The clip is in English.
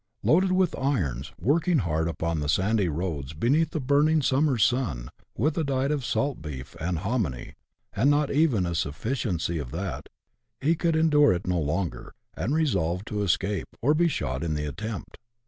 Loaded with irons, working hard upon the sandy roads, beneath a burning summer's sun, with a diet of salt beef and " hominy," and not even a sufficiency of that, he could endure it no longer, and resolved to escape, or be shot in the attempt.